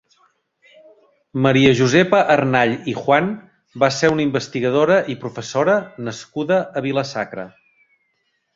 Maria Josepa Arnall i Juan va ser una investigadora i professora nascuda a Vila-sacra.